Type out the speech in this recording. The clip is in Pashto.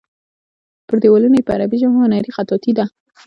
پر دیوالونو یې په عربي ژبه هنري خطاطي ده.